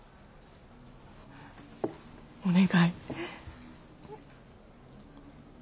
お願い。